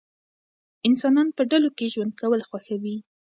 انسانان په ډلو کې ژوند کول خوښوي.